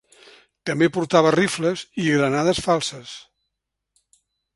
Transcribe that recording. També portava rifles i granades falses.